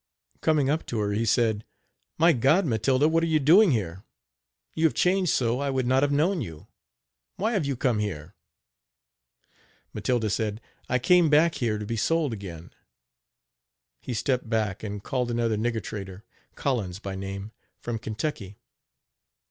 Coming up to her he said: "My God! Matilda, what are you doing here? You have changed so I would not have known you. Why have you come here?" Matilda said: "I came back here to be sold again." He stepped back and called another "nigger trader," Collins by name, from Kentucky.